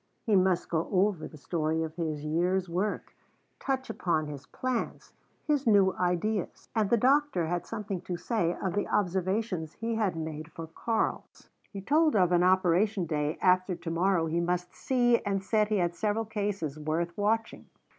He must go over the story of his year's work, touch upon his plans, his new ideas. And the doctor had something to say of the observations he had made for Karl; he told of an operation day after to morrow he must see and said he had several cases worth watching.